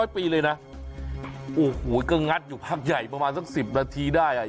ปีเลยนะโอ้โหก็งัดอยู่พักใหญ่ประมาณสัก๑๐นาทีได้อ่ะ